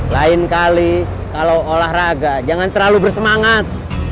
lain kali kalau olahraga jangan terlalu bersemangat